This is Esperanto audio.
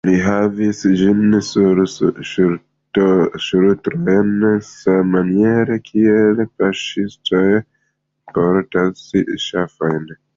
Li havis ĝin sur ŝultroj sammaniere, kiel paŝtistoj portas ŝafojn.